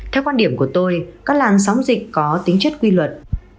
theo quan điểm của tôi các làn sóng dịch có tính chất quy luật